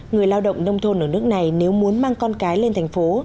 người lao động nông thôn ở nước này nếu muốn mang con cái lên thành phố